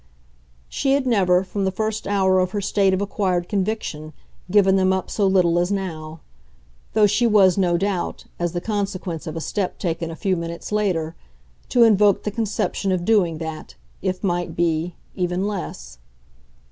She had never, from the first hour of her state of acquired conviction, given them up so little as now; though she was, no doubt, as the consequence of a step taken a few minutes later, to invoke the conception of doing that, if might be, even less.